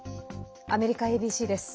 アメリカＡＢＣです。